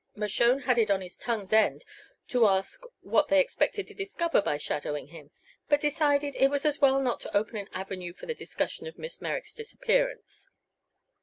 Mershone had it on his tongue's end to ask what they expected to discover by shadowing him, but decided it was as well not to open an avenue for the discussion of Miss Merrick's disappearance.